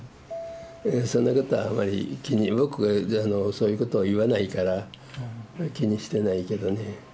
そんなことはあまり僕そういうことを言わないから気にしてないけどね